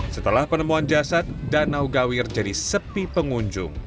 setelah penemuan jasad danau gawir jadi sepi pengunjung